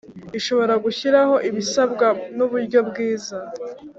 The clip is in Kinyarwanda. ishobora gushyiraho ibisabwa n uburyo bwiza